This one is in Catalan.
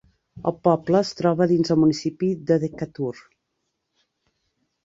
El poble es troba dins del municipi de Decatur.